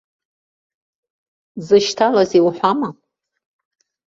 Дзышьҭалазеи уҳәама?